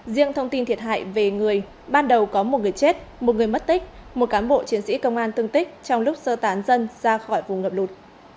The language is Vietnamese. riêng thông tin thiệt hại về người ban đầu có một người chết một người mất tích một cán bộ chiến sĩ công an tương tích trong lúc sơ tán dân ra khỏi vùng ngập lụt